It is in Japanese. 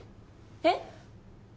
えっ？